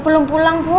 belum pulang bu